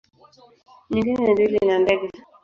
Nyingine ni reli na ndege.